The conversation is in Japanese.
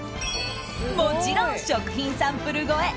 もちろん食品サンプル超え！